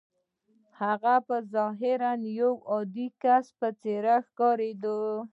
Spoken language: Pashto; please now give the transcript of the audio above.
هغه په ظاهره د يوه عادي کس په څېر ښکارېده.